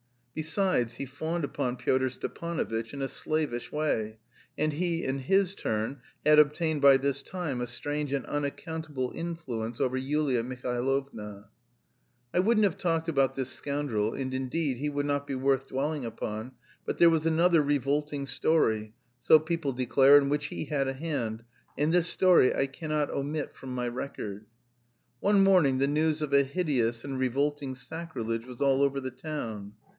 Besides he fawned upon Pyotr Stepanovitch in a slavish way, and he, in his turn, had obtained by this time a strange and unaccountable influence over Yulia Mihailovna. I wouldn't have talked about this scoundrel, and, indeed, he would not be worth dwelling upon, but there was another revolting story, so people declare, in which he had a hand, and this story I cannot omit from my record. One morning the news of a hideous and revolting sacrilege was all over the town.